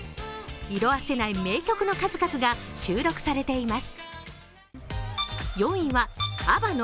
色あせない名曲の数々が収録されています。